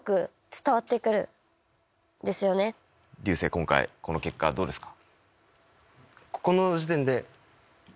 今回この結果はどうですか？